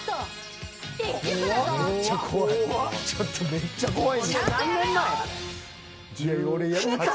めっちゃ怖い。